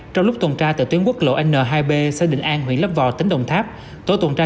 một mươi hai trong lúc tuần tra tại tuyến quốc lộ n hai b xe định an huyện lấp vò tỉnh đồng tháp tổ tuần tra